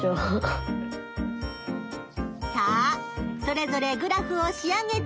さあそれぞれグラフを仕上げて。